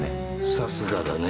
さすがだね。